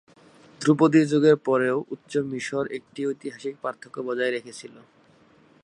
ধ্রুপদি যুগের পরেও উচ্চ মিশর একটি ঐতিহাসিক পার্থক্য বজায় রেখেছিল।